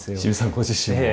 ご自身も。